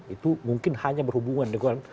itu mungkin hanya berhubungan dengan